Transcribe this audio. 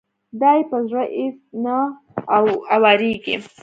دا يې په زړه اېڅ نه اوارېږي.